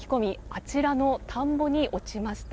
あちらの田んぼに落ちました。